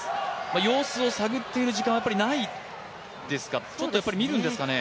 様子を探っている時間はないですか、やっぱりちょっと見るんですかね？